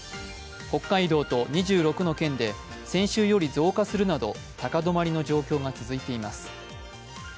北海道と２６の県で先週より増加するなど高止まりの状況が続いています。